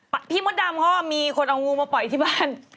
พี่พี่พวดดำค่ะมีคนเอางูมาปล่อยที่บ้าน